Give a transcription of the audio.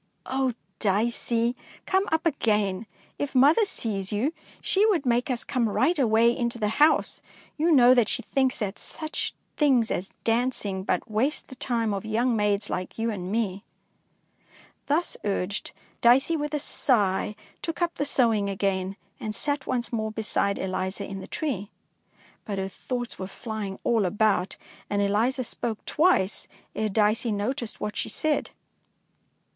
Oh, Dicey, come up again! If mother sees you, she would make us come right away into the house; you know that she thinks that such things as dancing but waste the time of young maids like you and me." Thus urged. Dicey with a sigh took up the sewing again, and sat once more beside Eliza in the tree. But her thoughts were flying all about, and 234 DICEY LANGSTON Eliza spoke twice ere Dicey noticed what she said.